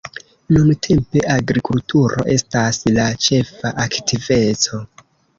Nuntempe agrikulturo estas la ĉefa aktiveco.